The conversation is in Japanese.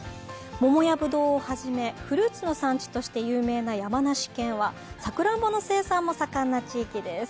桃やぶどうをはじめフルーツの山地として有名な山梨県は、さくらんぼの生産も盛んな地域です。